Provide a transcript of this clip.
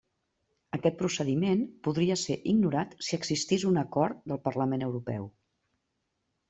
Aquest procediment podria ser ignorat si existís un acord del Parlament Europeu.